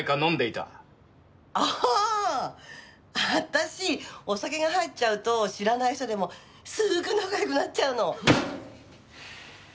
私お酒が入っちゃうと知らない人でもすぐ仲良くなっちゃうの。